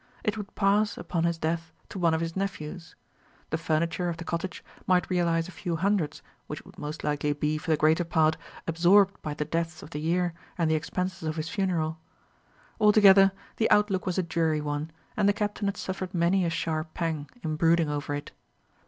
It would pass, upon his death, to one of his nephews. The furniture of the cottage might realize a few hundreds, which would most likely be, for the greater part, absorbed by the debts of the year and the expenses of his funeral. Altogether, the outlook was a dreary one, and the Captain had suffered many a sharp pang in brooding over it.